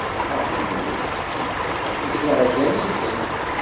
Aqemmuc isseɛdal-iten.